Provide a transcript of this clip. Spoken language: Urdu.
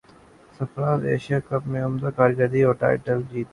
سرفراز ایشیا کپ میں عمدہ کارکردگی اور ٹائٹل جیتنے کیلئے پرعزم